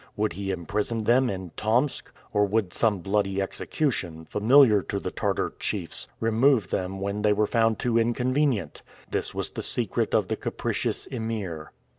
Would he imprison them in Tomsk, or would some bloody execution, familiar to the Tartar chiefs, remove them when they were found too inconvenient? This was the secret of the capricious Emir.